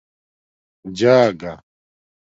جاگہ